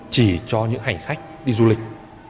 chỉ cho những hành khách đi du lịch